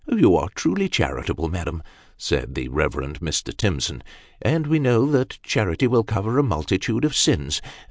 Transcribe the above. " You are truly charitable, madam," said the Eeverend Mr. Timson, " and we know that charity will cover a multitude of sins.